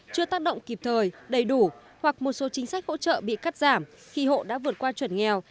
chưa tác động kịp thời đầy đủ hoặc một số chính sách hỗ trợ bị cắt giảm khi hộ đã vượt qua chuẩn nghèo